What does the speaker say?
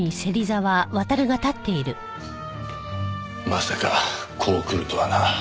まさかこう来るとはな。